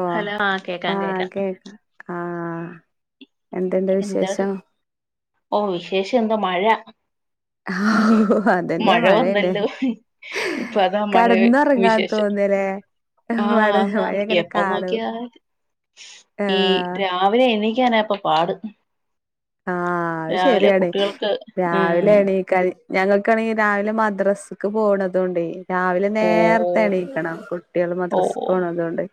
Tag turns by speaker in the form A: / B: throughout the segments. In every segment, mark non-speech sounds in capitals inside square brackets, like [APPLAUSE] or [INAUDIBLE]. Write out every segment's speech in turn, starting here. A: ഓ
B: hello
A: ആ
B: കേക്കാം കേക്കാം
A: കേക്ക ആ
B: എന്താണ് ഓ വിശേഷം എന്താ മഴ
A: ഓ അതന്നെ
B: മഴ
A: മഴയന്നെ
B: വന്നല്ലോ ഇപ്പൊ അതാ മഴ വിശേഷം
A: ന്ത്‌ദെരെ
B: ആ ഒന്നാമത് എത്ര നോക്കിയത് ഈ
A: ആഹ്
B: രാവിലെ എണിക്കാന ഇപ്പൊ പാട്
A: ആ അത്
B: രാവിലെ
A: ശരിയാണ്
B: കുട്ടികൾക്ക്
A: രാവിലെ
B: ഉം
A: എണീക്കാന് ഞങ്ങൾക്കാണെങ്കിൽ രാവിലെ മദ്രാസക്ക് പോണതു കൊണ്ടെ രാവിലെ
B: ഓ
A: നേരത്തെ എണീക്കണം കുട്ടികൾ
B: ഓ
A: മദ്രസ്ക്ക്
B: ഓ.
A: പോണത് കൊണ്ട്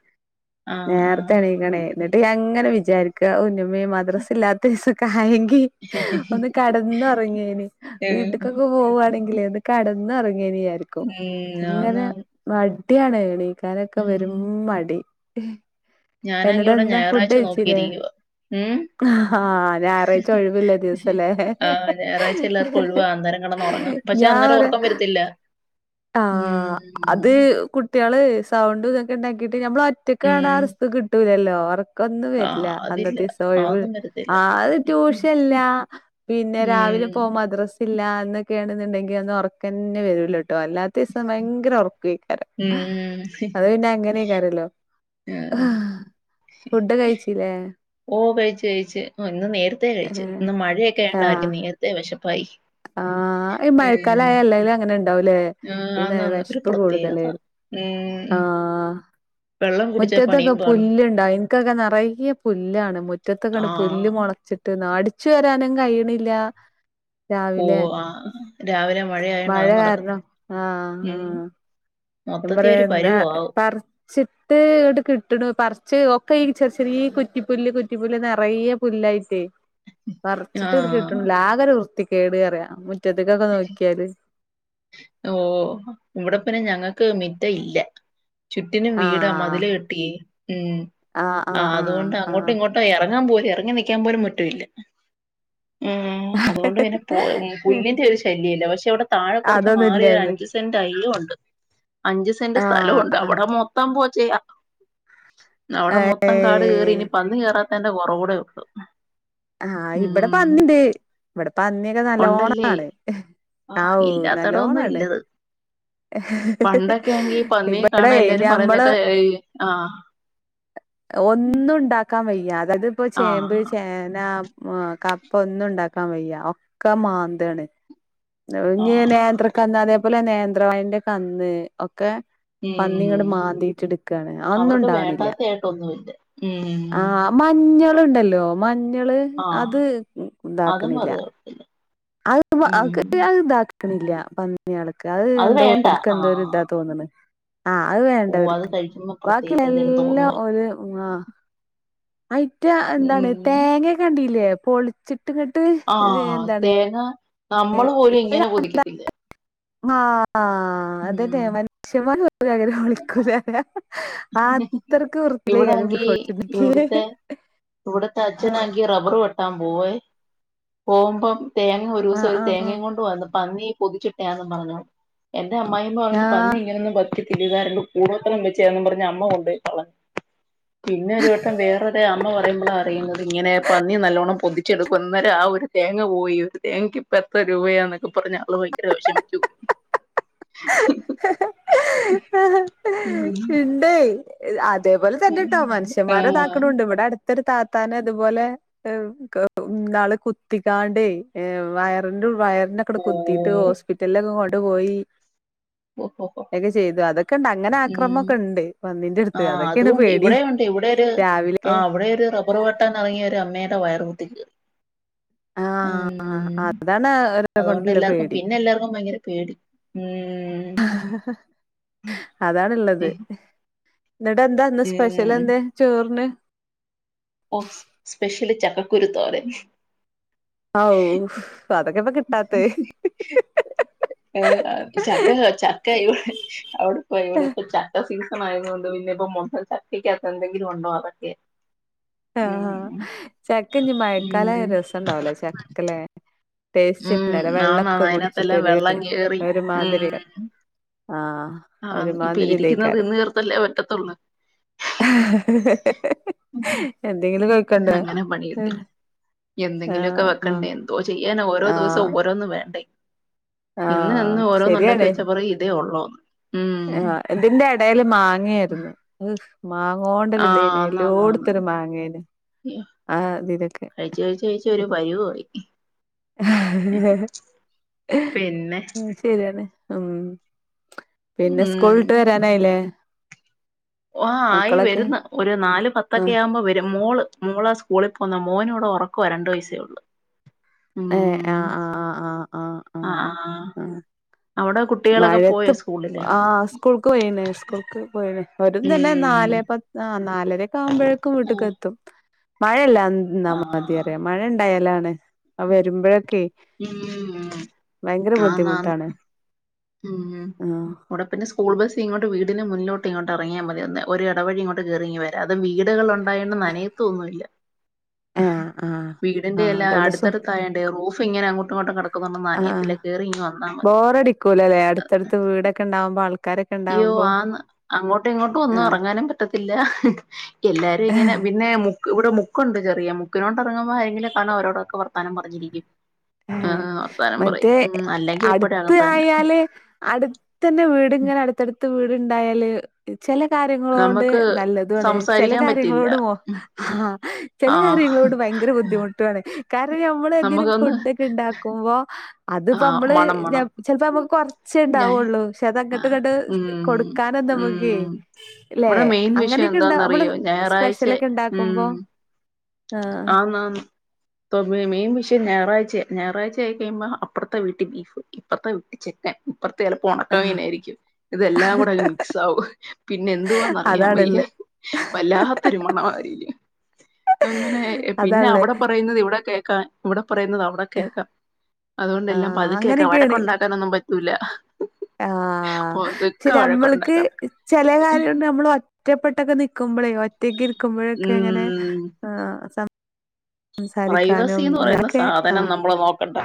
B: ആ ആ
A: നേരത്തെണീക്കണേ എന്നിട്ട് അങ്ങനെ വിചാരിക്ക അ ന്റെ മ്മേ മദ്രസ് ഇല്ലാത്തസക്കായെങ്കി ഒന്ന് കെടന്നോറങ്ങിയേനെ
B: ഉം
A: വീട്ടക്കൊക്കെ പോവാവാണെങ്കിലേ ഒന്ന് കെടന്നൊറ ങ്ങി വിചാരിക്കു
B: ഉം, ആന്ന്
A: അങ്ങനെ
B: ആന്ന്
A: കുട്ടിയാണ് എണീക്കാനൊക്കെ പെരും
B: ഉം
A: മടി
B: ഞാനാങ്കി
A: എന്നിട്ട്
B: ഇവിടെ
A: എന്താ ഫുഡ്
B: ഞായറാഴ്ച
A: കഴിച്ചില്ലേ
B: നോക്കിയിരിക്കുവ ഉം
A: ആഹ് ഞായറാഴ്ച ഒഴിവില്ല ദിവസല്ലേ
B: ആ ഞായറാഴ്ച എല്ലാർക്കും ഒഴിവാ അന്നേരം കെടന്നൊറങ്ങാം പക്ഷെ അന്നേരം ഉറക്കം വര ത്തില്ല
A: ആ അത് കുട്ടികള് സൗണ്ട് തൊക്കെ ഒണ്ടാക്കി ഞമ്മൾ ഒറ്റക്കണ ആ
B: ഉം
A: റസ്റ്റ് കിട്ടൂലല്ലോ ഒർക്കന്നെ വരില്ല
B: ആഹ് അതില്ല
A: അന്നത്തെ സം ഒഴിവ്
B: അതൊന്നും വരത്തില്ല
A: ആ അത്
B: ഉം
A: ട്യൂഷൻല്ല പിന്നെ രാവിലെ പോ മദ്രസ് ല്ല അന്നൊക്കെയാണെന്നുണ്ടെങ്കി അന്ന് ഒറക്കന്നെ വരൂല അല്ലാത്ത ദിവസം ഭയങ്കര ഉറക്കെയ്ക്കാരം
B: ഉം
A: അത് പിന്നെ അങ്ങനെക്കാരല്ലോ
B: ആ
A: ഫുഡ് കഴിച്ചില്ലേ
B: ഓ കഴിച്ചു കഴിച്ചു ഓ ഇന്ന് നേരത്തെ കഴിച്ചു ഇന്ന് മഴയൊക്കെയായൊ ണ്ടായിരിക്കും നേരത്തെ വെശ
A: ആ ഈ മഴക്കാലായ എല്ലാരും അങ്ങനെ തന്നെ യാവൂലേ
B: ആഹ്
A: പിന്നെ
B: ആന്നാന്ന് ഒരു
A: വെശപ്പും കൂടുതല്
B: പ്രത്യേകത
A: ആ
B: ഉം വെള്ളം കുടിച്ചാ
A: മുറ്റത്തൊക്കെ
B: പണിയും പാളും
A: പുല്ലണ്ടാവും എനിക്കൊക്കെ നെറയെ പുല്ലാണ് മു റ്റത്ത് ങ്ങനെപുല്ല്
B: ആഹ്
A: മുളച്ചിട്ട് അടിച്ചു വരാനും കഴിയണില്ല
B: ഓ
A: രാവിലെ
B: ആഹ് രാവിലെ മഴയായോണ്ട്
A: മഴ
B: അത്
A: കാരണം
B: നടക്കത്തില്ല
A: ആ ആ
B: ഉം മൊത്തത്തി
A: എന്താറയാ
B: ഒരു പരുവാവും
A: എന്താപറിച്ചിട്ട് ഇട്ട് കിട്ടണ് പറച്ച് ഒക്കെ ചെറിയ ചെറിയ ഈ കുറ്റിപ്പുല്ല് കുറ്റിപ്പുല്ല് നെറയെ പുല്ലായിട്ടേ പറച്ചിട്ട് ങ്ങട്ട്
B: ആഹ്
A: കിട്ടണില്ല ആകെ വൃത്തികേട് റയ
B: ഓ ഇവിടെ പിന്നെ ഞങ്ങക്ക് മിത്തയി ല്ല ചുറ്റിനും വീടാ
A: ആഹ്
B: മതില് കെട്ടി ഉം
A: ആഹ്
B: ആ
A: ആഹ്
B: അതുകൊണ്ട്
A: ആഹ്
B: അങ്ങോട്ടും
A: ആഹ്
B: ഇങ്ങോട്ടും എറങ്ങാൻ പോലും ഇറങ്ങി നിക്കാൻ പോലും മുറ്റവില്ല ആഹ് അത് കൊണ്ട് തന്നെ പോ പു പുല്ലിന്റെ ശ് [UNINTELLIGIBLE] പക്ഷെ ഇവിടെ താഴെ കുറച്ച്
A: അതൊന്നും
B: മാറി
A: ഇല്ലല്ലേ
B: അഞ്ചു സെന്റ് അയ്യോംഉണ്ട്. അഞ്ചു സെന്റ് സ്ഥലവുണ്ട്
A: ആഹ്
B: അവിടെ മൊത്തം പോച്ചെ അവിടെ മൊത്തം കാട് കേറി
A: ഏഹ്
B: ഇനി പന്നികേറാത്തേന്റെ കുറവ് കൂടെ ഒള്ളു.
A: ആഹ് ഇവിടെ പന്നിണ്ട് ഇവിടെ പന്നിയൊക്കെ
B: ഉണ്ടല്ലേ
A: നല്ലോണാണ്.
B: ആഹ്
A: ഔ
B: ഇല്ലാത്തടൊന്നും
A: നല്ലോണാണ്.
B: ഇല്ലത്
A: ഹി ഹി
B: പണ്ടൊക്കെ ആണെങ്കി
A: ഹി
B: പന്നിയെ
A: ഇവിടെ
B: കാണാൻ എല്ലാരും
A: ഞമ്മള്
B: പറയുന്നേക്കാ ഏയ് ആഹ്
A: ഒന്നും ഇണ്ടാക്കാൻ വയ് അത്പ്പോ ചേമ്പ്
B: ആഹ്
A: ചേന ആ കപ്പ ഒന്നും ഉണ്ടാക്ക ക്കാൻവയ്യ ഒക്കെ മാന്താണ് ഇഞ്ഞ്
B: ആഹ്
A: നേന്ത്ര കന്ന് അതേപലെ നേന്ത്ര നേന്ത്രവായന്റെ കന്ന് ഒക്കെ.
B: ഉം
A: പന്നിങ്ങട്മാന്തിട്ട് ഇട്ക്കാണ് അതൊന്നും
B: അവർക്ക്
A: ഇണ്ടാവണില്ല
B: വേണ്ടാത്തയായിട്ടൊന്നുമില്ല ഉം
A: ആ മഞ്ഞള് മഞ്ഞള്ണ്ടല്ലോ മഞ്ഞള്
B: ആഹ്
A: അത്
B: അതും
A: ഇതാക്ക്ണില്ല.
B: പറയാ
A: [UNINTELLIGIBLE]
B: ഉം
A: ഇതാക്കണില്ല പന്നി. മഞ്ഞളക്ക് അത് എന്തോ
B: വേണ്ട
A: ഒൽക്ക്
B: ആഹ്
A: എന്തോര്ഇതാ തോന്നണ്. ആ അത്
B: ഓ അത്
A: വേണ്ടവർക്ക്
B: കഴിക്കുമ്പോ
A: ബാക്കി
B: പ്രത്യേകിച്ച് എന്തെലും
A: എല്ലാം
B: തോന്നുവായിരിക്കും
A: ഒരു മാ അയിറ്റ എന്താണ്
B: ഉം
A: തേങ്ങകെ കണ്ടില്ലേ പൊളി ട്ടിങ്ങട്ട്
B: ആഹ്
A: എന്താണ്.
B: തേങ്ങ നമ്മള് പോലും ഇങ്ങനെ കൊതിക്കത്തില്ല ഉം
A: [UNINTELLIGIBLE] [UNINTELLIGIBLE] ആ അത്രക്ക് വൃത്തിയിലെയ്ക്കാരം [UNINTELLIGIBLE]
B: ഇവിടെത്തെ അച്ഛനാങ്കി റബർവെട് ത്താൻ പോവേ പോകുമ്പം തേങ്ങ
A: ആഹ്
B: ഒരൂസം
A: ആഹ്
B: തേങ്ങയും കൊണ്ട് വന്ന് പന്നി. പൊതിച്ചിട്ടയാന്നുംപറഞ്ഞോണ്ട് എന്റെ അമ്മായിയമ്മ പറഞ്ഞു
A: ആഹ്
B: പന്നി
A: ആഹ്
B: ഇങ്ങനൊന്നും ഇതിലാരെങ്കിലും കൂടോത്തരം വെച്ചെ യാന്നും പറഞ്ഞ് അമ്മ കൊണ്ട് പോയി കളഞ്ഞു. പിന്നെ ഒരു വട്ടം വേറൊരു അമ്മ പറയുമ്പോളാ അറിയുന്നത് ഇങ്ങനെ പന്നി നല്ലോണം പൊതി ചെറുമ്പന്നലെ ആ ഒരു തേങ്ങ പോയി ഒരു തേങ്ങക്ക് ഇപ്പ എത്ര രൂപയാന്നൊക്കെ പറഞ്ഞ് ആള് ഭയങ്കര വിഷമിച്ചു ചൊ ഹി ഹി ഹി ഉം
A: ഇണ്ടേ അതേപോലെ തന്നെട്ടോ
B: ആഹ്
A: മനുഷ്യന്മാരെതാക്ക്ണുണ്ട് ഇവിടെ അടുത്ത് ഒരു താത്താനെ അതുപോലെ നാള് കുത്തിക്കാണ്ട് വയറിന്റെ ഉ വയറിനൊക്കെങ്ങട്ട് കുത്തിട്ട്
B: ഓ
A: ഹോസ്പിറ്റലിലൊക്കെ കൊണ്ട് പോയി ഒക്കെ ചെയ്തു അതൊക്കെ. ഒക്കണ്ട് അങ്ങനെ
B: ഉം
A: ആക്രമൊക്കെണ്ട്പന്നിന്റെടുത്ത്
B: ആഹ്
A: അതൊക്കെണ്
B: അതുകൊണ്ട്
A: പേടി രാവിലൊക്കെ.
B: റബർ വെട്ടാൻയെറങ്ങിയ ഒരു അമ്മേടെ വയർ കുത്തി കീറി മം
A: ആഹ്
B: മ്
A: അതാണ് അവരെ
B: അതുകൊണ്ട്
A: കൊണ്ടുള്ള
B: എല്ലാർക്കും
A: പേടി
B: പിന്നെ എല്ലാർക്കും ഭയങ്കര പേടി ഉം ഉം
A: അതാണ്ള്ളത്. ന്നിട്ടെന്താ ഇന്ന് സ്പെഷ്യൽ
B: ഉം
A: എന്താ ചോറിന്?
B: ഓ സ്പെഷൽ ചക്കകുരു തോരൻ.
A: ഔ അതൊക്കെ ഇപ്പൊ കിട്ടാത്തെ ഹി ഹി ഹി
B: ഏ ആ ചക്ക ചക്ക ഇവിടെ അവിടെപ്പൊ ഇവിടെപ്പൊ ചക്ക സീസ ണായത് കൊണ്ട് പിന്നെ മെത്തം ചക്ക ക്കകത്ത് എന്തെങ്കിലും ഉണ്ടോ അതൊക്കെ.
A: ആ ആഹ
B: ഉം
A: ചക്ക ഇഞ്ഞ്
B: ഉം
A: മഴക്കാലായ രസണ്ടാവുല ചക്കലേ? ടേസ്റ്റ് ഇണ്ടാവൂല്ല
B: ഉം ആന്നാ
A: വെള്ളൊക്കെ
B: അതിനകത്തെല്ലാം വെള്ളം
A: കുടിച്ചിട്ടൊരുമാതിരിയാണ്
B: ആ ആഹ് ഇപ്പൊ ഇരിക്കുന്നത് തിന്ന് തീർത്തല്ലേ പറ്റത്തൊള്ളൂ.
A: ഹി ഹി ഹി എന്തെങ്കിലും. കഴിക്കണ്ടേ
B: അങ്ങനെ പണി കിട്ടി
A: ആഹ്
B: എന്തെങ്കിലുമൊക്കെ വെക്കണ്ടേ
A: ആഹ്
B: എന്തോ ചെയ്യും നിത്യേനെ ഓരോ ദിവസവും ഓരോന്ന് വേണ്ടേ? ഇന്ന്
A: ആഹ
B: ഇന്ന് ഓരോന്നുണ്ടാക്കി
A: ശരിയാണ്
B: വെച്ച പറയും ഇതേ ഉള്ളൂന്ന് ഉം
A: ആ ഇതിന്റെ എടേൽ മാങ്ങ. മാങ്ങായിരുന്നു ഹ് മാങ്ങോണ്ടരു
B: ആഹ്
A: ഇതേനു
B: ആന്നാന്നാന്ന്
A: എല്ലോടുത്തൊരു മാങ്ങേനി. ആ ഇതിനൊക്കെ.
B: കഴിച്ച് കഴിച്ച് കഴിച്ച് ഒരു പരുവായി പിന്നെ
A: ശെരിയാണ്, ഉം പിന്നെ സ്കൂളിട്ട് വരാനായില്ലേ
B: ആ് ആയി
A: മക്കളൊക്കെ
B: വരുന്ന് ഒരു നാല്
A: ആ
B: പത്തൊക്കെ ആവുമ്പോ വരും മോള് മോളാ സ്കൂളി പോന്നെ മോനിവടെ ഉറക്കവ രണ്ട് വയസ്സേ ഉള്ളൂ ഉം
A: ഏ ആ ആ ആ ആ ആ
B: ആഹ്
A: ആ
B: അവിടെ കുട്ടികളൊക്കെ
A: മഴയത്ത്
B: പോയോ സ്കൂളില്
A: ആ സ്കൂൾക്ക് പോയിണ് സ്കൂൾക്ക് പോയിണ് രും തന്നെ
B: ഉം
A: നാല് പത്ത് ആ നാലരയൊക്കെ ആകുമ്പോഴേക്കും വീട്ടക്ക് എത്തും മഴയല്ലാ ന്നാ മതി
B: ആഹ്
A: അറിയാം മഴ ഇണ്ടായാലാണ് വരുമ്പോഴൊക്കെ
B: ഉം
A: ഭയങ്കര
B: ആന്നാന്ന്
A: ബുദ്ധിമുട്ടാണ്
B: ഉം
A: ആ
B: ഇവടെ പിന്നെ സ്കൂ സ്കൂൾ ബസ് ഇങ്ങോട്ട് വീടിന് മുന്നിലോട്ട് ഇങ്ങോട്ട് ഇറങ്ങിയാൽ മതിയെന്ന് ഒരു ഇടവഴി ഇങ്ങോട്ട് കയറിയീങ്ങ് വരാം അതും വീടുകളൊണ്ട് ആയോണ്ട് നനയത്തൊന്നൂല്ല
A: ആ ആ ആ
B: വീടിന്റെ എല്ലാം
A: അതോണ്ട് സു
B: അടുത്തടുത്തായോണ്ടെ റൂഫ് ഫിങ്ങനെ അങ്ങോട്ടും ഇങ്ങോട്ടും കിടക്കുന്നോണ്ട് നനയത്തില്ല കേറി ഇങ്ങ് വന്നാ മതി
A: സകൂളല്ലേ അടുത്തടുത്ത് വീടൊക്കെ ഉണ്ടാവുമ്പോ ആൾ
B: അയ്യോ ആന്ന് അങ്ങോട്ടും ഇങ്ങോട്ടും ഒന്നും ഇറങ്ങാനും പറ്റത്തില്ല എല്ലാരും
A: ആഹ്
B: ഇങ്ങനെ പിന്നെ മുക്ക് ഇവിടെ മുക്കുണ്ട് ചെറിയ മുക്കിനോട്ട് ഇറങ്ങുമ്പോൾ ആരെങ്കിലുവൊക്കെ കാണും അവരോടൊക്കെ വർത്താനം പറഞ്ഞിരിക്കും.
A: മ്
B: ഏഹ് വർത്താനം പറയും
A: മറ്റേ,
B: ഉം അല്ലെങ്കി എപ്പഴും
A: അടുത്ത്
B: അകത്ത് തന്നെ
A: ആയാല് അടുത്തന്നെ വീട് ഇങ്ങനെ അടുത്തടുത്ത് വീട്ണ്ടായാല് ചില കാര്യങ്ങളോണ്ട്
B: നമുക്ക്
A: നല്ലതാണ് ചില
B: സംസാരിക്കാൻ പറ്റില്ല
A: കാര്യങ്ങളോടുമോ ആ ചില കാര്യങ്ങളോ
B: ആഹ്
A: ട് ഭയങ്കര ബുദ്ധിമുട്ടാണ് കാരണം നമ്മൾ എന്തേലും
B: നമുക്കൊന്ന്
A: ഫുഡൊക്കെ ഉണ്ടാക്കുമ്പോ അത്പ്പോ
B: ആഹ്
A: മ്മള്
B: മണം മണം
A: ചിലപ്പോ നമ്മുക്ക് കുറച്ചേ
B: ഞാൻ
A: ഉണ്ടാവുള്ളൂ പക്ഷെ അത്ങ്ങട്ട്
B: ആഹ്
A: ഇങ്ങട്ട്
B: ഉം
A: കൊടുക്കാനൊ നമ്മക്കെ
B: ഉം
A: ലേ
B: ഇവിടെ മെയിൻ വിഷയം
A: അങ്ങനെയൊക്കെയുണ്ടാ നമ്മള്
B: എന്താന്നറിയോ
A: സ്പെഷ്യലൊക്കെ ഉണ്ടാക്കുമ്പോ
B: ആം ആം [UNINTELLIGIBLE] ഞായറാഴ്ചയാ ഞായറാഴ്ച ആയി കഴിയുമ്പോൾ അപ്പുറത്തെംവീട്ടി ബീഫ് ഇപ്പറത്തെ വീട്ടിൽ ചിക്കൻ അപ്പറത്തു ചെലപ്പോ ഉണക്ക മീൻ
A: ആഹ്
B: ആയിരിക്കും ഇതെല്ലാം കൂടെ അങ്ങ് മിക്സ് ആകും പിന്നെന്തുവാന്ന് അറിയാൻ വയ്യ
A: അതാണല്ലേ
B: വല്ലാത്തൊരു, മണവായിന് അങ്ങനെ പിന്നെ
A: അതാള്ളേ
B: അവിടെ പറയുന്നത് ഇവിടെ കേക്കാൻ ഇവിടെ പറയുന്നത് അവിടെ കേക്കാം അതുകൊണ്ട് എല്ലാം
A: ആഹ്
B: ക്കാം, വഴക്ക്
A: അങ്ങനെയൊക്കെയാണ്
B: ഉണ്ടാക്കാനൊന്നുംംപറ്റൂല--ഉണ്ടാക്കാനൊന്നും പറ്റൂല
A: ആഹ് ആ
B: പതുക്കെ
A: ശരി, മ്മൾക്ക്
B: വഴക്കുണ്ടാക്കണം
A: ചെല, കാര്യങ്ങളൊണ്ട്, നമ്മൾ ഒറ്റപ്പെട്ടൊക്കെ, നിക്കുമ്പോളേോ ഒറ്റക്ക് ഇരിക്കുമ്പോഴൊക്കെ ഇങ്ങനെ
B: ഉം
A: സം
B: പ്രൈവസി
A: സാരിക്കാനും
B: എന്ന് പറയുന്ന
A: അങ്ങനൊക്കെ
B: സാധനം
A: ആഹ്
B: നമ്മൾ നോക്കണ്ട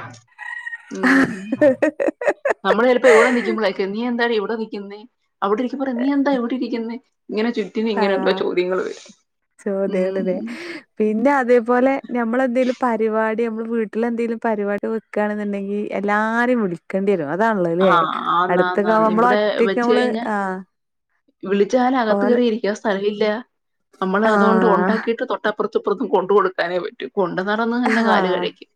B: ഉം
A: [UNINTELLIGIBLE]
B: നമ്മള് ചിലപ്പോ ഇവിടെ നിൽക്കുമ്പോളായിരിക്കും നീ എന്താടി ഇവിടെ നിക്കുന്നേ അവിടെ ഇരിക്കുമ്പോ പറയും നീ എന്താ ഇവിടെ ഇരിക്കുന്നെ റ്റിന് ഇങ്ങനെയുള്ള ചോദ്യങ്ങള് വരും
A: ചോദ്യങ്ങളല്ലേ
B: ഉം
A: പിന്നെ അതേപോലെ നമ്മളെന്തേലും പരിപാടി നമ്മള് വീട്ടില് എന്തെലും പരിപാടി വെക്കുവാണെന്നുണ്ടെങ്കി എല്ലാരേം വിളിക്കേണ്ടി വരും അതാണല്ലോല്ലേ
B: ആഹ്
A: അടുത്തൊക്കെ
B: ആന്നാന്നാന്ന്
A: നമ്മള്
B: ഇവിടെ
A: ഒറ്റക്ക് നമ്മള് ആ
B: വിളിച്ചാല് അകത്ത് കയറി ഇരിക്കാൻ സ്ഥലവില്ല നമ്മള് അതുകൊണ്ട്
A: ആഹ്
B: ഉണ്ടാക്കിയിട്ട് തൊട്ട പ്പുറത്തുംഇപ്പുറത്തും കൊണ്ട് കൊടുക്കാനേ പറ്റൂ കൊണ്ടു നടന്ന്തന്നെ കാല്
A: ആഹ്
B: കഴക്കും.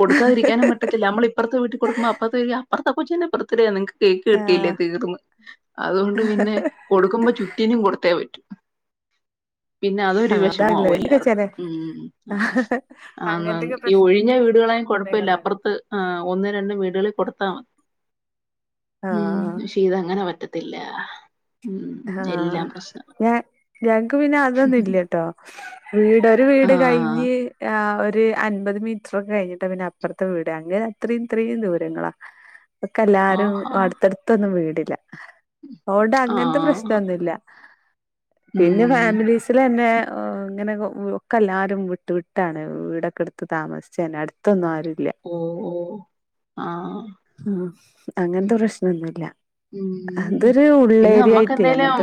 B: കൊടുക്കാതിരിക്കാനും പറ്റത്തില്ല നമ്മള് ഇപ്പുറത്തെ വീട്ടിൽ കൊടുക്കുംമ്പോ അപ്പുറ അപ്പുറത്തെ കൊച്ചിന്റെ ബർത്ത്ഡേയാ നിങ്ങക്ക് കേക്ക് കിട്ടല്ലേ
A: ആഹ്
B: തീർന്ന് അതോണ്ട് പിന്നെ കൊടുക്കുമ്പോ ചുറ്റിനും കൊടുത്തേ പറ്റൂ. പിന്നെളഅതൊരു
A: ആഹ് അതാണല്ലേ
B: വെഷമമാവും
A: എന്തൊക്കെ
B: എല്ലാർക്കും
A: ചെലെ
B: ഉം അതെ ആന്നാന്ന്
A: അങ്ങനത്തൊക്കെ
B: ഈ ഒഴിഞ്ഞ വീടുകളായും കുഴപ്പമില്ല
A: പ്രശ്നങ്ങളാണ്
B: അപ്പുറത്ത് ഒന്നു രണ്ടു വീടുകളിൽ കൊടുത്താമതി ഉം
A: ആഹ്
B: പക്ഷേ ഇതങ്ങനെപറ്റത്തില്ല.
A: ആഹ് ഞാൻ ഞങ്ങക്ക് പിന്നെ അതൊന്നും ഇല്ലാട്ടോ വീട് വീട്
B: ആഹ്
A: കയ്ഞ്ഞ് ഒരു അൻപത് മീറ്ററൊക്കെ കഴിഞ്ഞിട്ട് പിന്നെ അപ്പുറത്തെ വീട് അത് അത്രേം ഇത്രേം ദൂരങ്ങളാ ഒക്കെ എല്ലാരും
B: ആഹാ
A: അടുത്തടുത്തൊന്നും വീടില്ല അതോണ്ട് അങ്ങനത്തെ പ്രശ്ന
B: ആഹ്
A: നൊന്നുല്ല പിന്നെ
B: ഉം
A: ഫാമിലീസിൽ തന്നെ ഓഹ് ഇങ്ങനെ ഒക്കെ എല്ലാരും വിട്ട് വിട്ടാണ് വീടൊക്കെ എടുത്ത്, താമസിച്ചെന്നെ അടുത്തൊന്നും ആരു ഇല്ല
B: ഓ ഓ ആഹ്
A: ആഹ് അങ്ങനത്തെ പ്രശ്നൊന്നുല്ല
B: ഉം
A: അതൊരു
B: പിന്നെ
A: ഉള്ളേരിയായി
B: നമ്മക്ക് എന്തേലും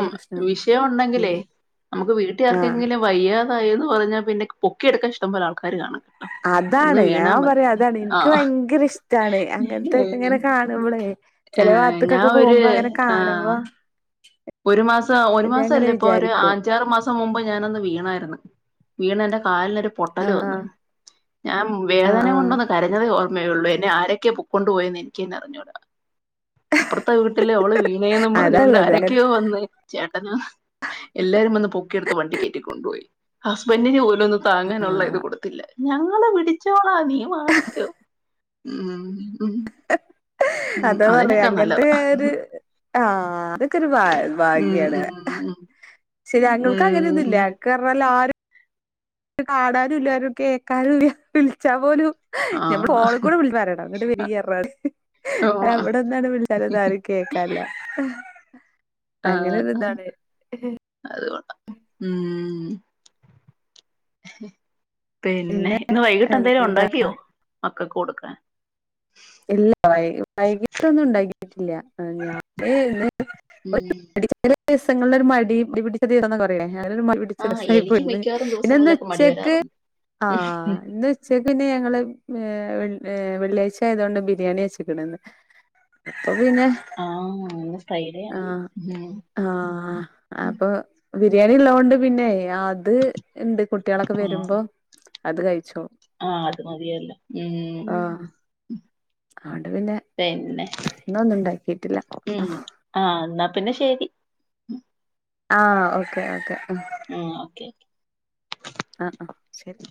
B: വിഷയം ഒണ്ടെങ്കിലേ നമുക്ക് വീട്ടി
A: ആഹ്
B: ആർക്കെങ്കിലും വയ്യാതായോന്ന് പറഞ്ഞാ പിന്നെ പൊക്കി എടുക്കാൻ ഇഷ്ട്ടം പോലെ ആൾക്കാര് കാണും ആഹ്
A: അതാണ് ഞാൻ പറയാ അതാണ് ഇൻക്ക്
B: ആഹ്
A: ഭയങ്കര ഇഷ്ട്ടാണ് അങ്ങനത്തൊക്കെ ഇങ്ങനെ കാണുമ്പളെ ചെലെ
B: ഞാൻ
A: ഭാത്ത്കൊക്കെ
B: ഒരു
A: പോകുമ്പോ അങ്ങനെ
B: ആഹ്
A: കാണുമ്പോ
B: ഒരു മാസം ഒരു
A: ഞാൻ
B: മാസം
A: ഇങ്ങനെ
B: അല്ല ഇപ്പൊ ഒരു
A: വിചാരിക്കും
B: അഞ്ചാറ് മാസം മുമ്പ് ഞാനൊന്ന് വീണായിരുന്നു വീണെന്റെ കാലിനൊരു പൊട്ടല്
A: ആഹ്
B: വന്ന് ഞാം
A: ആഹ്
B: വേദന
A: ആഹ്
B: കൊണ്ടൊന്ന് കരഞ്ഞതേ ഓ മേ ഒള്ളേനി ആരൊക്കെ പ് ക്കൊണ്ട് പോയെന്ന് എനിക്കെന്നറിഞ്ഞൂടാ അപ്പർത്തെ വീട്ടിലെഅവള് വീണേന്നും പർഞ്ഞോണ്ട്
A: അതാള്ളത്
B: ആരെ [UNINTELLIGIBLE] എല്ലാരും വന്ന് പൊക്കിയെടുത്ത് വണ്ടി കേറ്റി കൊണ്ടുപോയി ഹസ്ബൻഡിനു [UNINTELLIGIBLE] [UNINTELLIGIBLE] താങ്ങാനുള്ള
A: ആഹ്
B: ഇത് കൊടുത്തില്ല ഞങ്ങള് പിടിച്ചോളാ നീ മാറിക്കോ ഉം ഉം ഉം
A: അതാ പർഞ്ഞെ
B: അതിനൊക്കെ
A: അങ്ങൻത്തെ
B: നല്ലതാ
A: ഒര് ആഹ് അതൊക്കെരു ഭ
B: ഉം
A: ഭാഗ്യാണ്.
B: ഉം ഉം
A: ശെര്യാ ഞങ്ങൾക്ക്
B: ഉം
A: അങ്ങനൊന്നുല്ല
B: ഉം
A: അങ്ങക്കർഞ്ഞാല് ആരു കാണാനുല്ലരും ആരും കേക്കാനുല്ല വിൾച്ചാ പോലും
B: ആഹ്
A: ഞമ്മള്ഫോണ്കൂടെ വിൾച്ച്പാറ്യണം ങ്ങട്ട് വെരിയർഞ്ഞാണ്ട് ആഹ്
B: ഓഹ്
A: വടെന്നാണ് വിൾച്ചാലൊന്നാരു കേ ക്കല്ല. ഉം
B: ആഹ് അത്കൊള്ളാ ഉം പിന്നെ ഇന്ന് വൈകിട്ട്
A: എന്താ
B: എന്തേലൊണ്ടാക്ക്യോ മക്കക്ക് കൊട്ക്കാൻ.
A: ഇല്ല വൈ വൈകിട്ടൊന്നുണ്ടാക്കിട്ടില്ല ആ ഞാന് ന്ന്
B: ഉം
A: [UNINTELLIGIBLE] ചെല ദിവസങ്ങളിലൊര് മടി മടി പിടിച്ച ദിവസന്നൊക്കെ പറീലെ ഞാനൊരു മടിപിടിച്ച
B: ആഹ്
A: ദിവസായി
B: എനിക്ക്
A: പോയിന്ന്
B: മിക്കവാറും
A: പിന്നെ ന്ന്
B: ദിവസങ്ങളിലൊക്കെ മടി
A: ച്ചക്ക്
B: വരാറുണ്ട്
A: ആഹ് ന്ന്ച്ചക്ക് പിന്നെ ഞങ്ങള് ഏഹ് അഹ് വെൾ ഏഹ് വെള്ളിയാഴ്ചയതൊണ്ട് ബിരിയാണി വെച്ച്ക്ക്ണ്ന്ന്. അപ്പൊ പിന്നെ
B: ആഹ് ഇന്ന് ഫ്രൈഡേ ആണ്
A: ആഹ്
B: ഉം
A: ആഹ് അപ്പൊ ബിരിയാണി ള്ളൊണ്ട് പിന്നെ അത് ഇണ്ട് കുട്ട്യെളൊക്കെ
B: ആഹ്
A: വെരുമ്പോ അത് കഴിച്ചോ
B: ആഹ് അത് മതിയല്ലോ ഉം
A: ആഹ്
B: പിന്നെ
A: ഇന്നൊന്നുണ്ടാക്കിട്ടില്ല.
B: ഉം ആഹ് എന്നാ പിന്നെ ശെരി.
A: ആഹ് ഓക്കേ ഓക്കേ. ആഹ്
B: ഉം ഓക്കെ
A: ആഹ് ആഹ് ശെരി